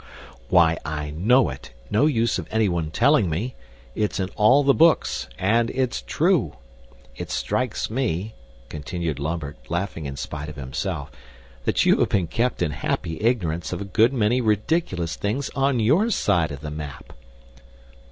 "Why, I KNOW it, no use of anyone telling me. It's in all the books and it's true. It strikes me," continued Lambert, laughing in spite of himself, "that you have been kept in happy ignorance of a good many ridiculous things on YOUR side of the map."